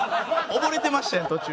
溺れてましたやん途中。